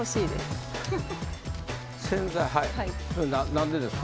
何でですか？